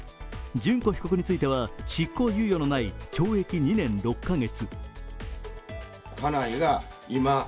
諄子被告については執行猶予のない懲役２年６カ月。